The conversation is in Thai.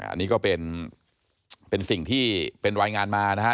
อันนี้ก็เป็นสิ่งที่เป็นรายงานมานะฮะ